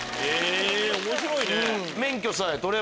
面白いね！